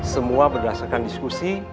semua berdasarkan diskusi